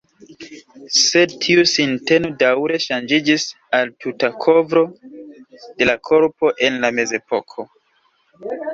Sed tiu sinteno daŭre ŝanĝiĝis al tuta kovro de la korpo en la mezepoko.